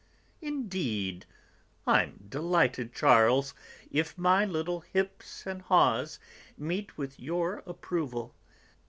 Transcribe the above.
"Indeed! I'm delighted, Charles, if my little hips and haws meet with your approval.